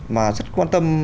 mà rất quan tâm